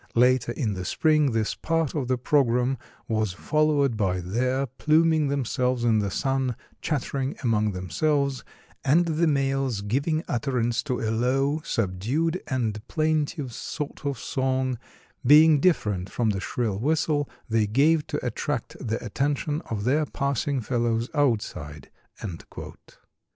Later in the spring this part of the programme was followed by their pluming themselves in the sun, chattering among themselves and the males giving utterance to a low, subdued and plaintive sort of song, being different from the shrill whistle they gave to attract the attention of their passing fellows outside."